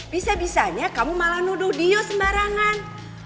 bisa bisanya kamu malah nuduh sembarangan